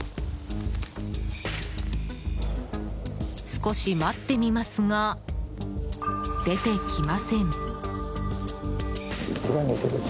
少し待ってみますが出てきません。